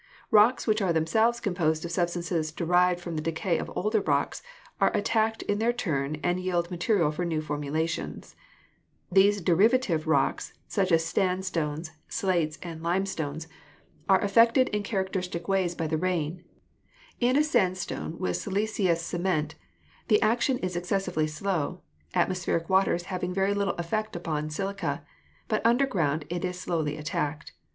Rocks which are themselves composed of substances derived from the decay of older rocks are attacked in their turn and yield material for new formations. These deriva tive rocks, such as sandstones, slates and limestones, are DESTRUCTIVE AGENCIES i3 r affected in characteristic ways by the rain. In a sandstone with siliceous cement the action is excessively slow, at mospheric waters having very little effect upon silica, but underground it is slowly attacked.